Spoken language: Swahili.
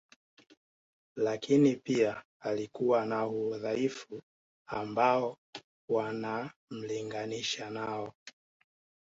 Lakini pia alikuwa na udhaifu ambao wanamlinganisha nao